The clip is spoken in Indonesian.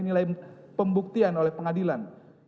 nilai pembuktian oleh pengadilan